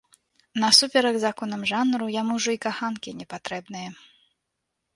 Насуперак законам жанру, яму ўжо і каханкі не патрэбныя.